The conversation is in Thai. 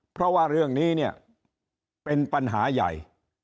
เพราะว่าเรื่องนี้เนี่ยเป็นปัญหาใหญ่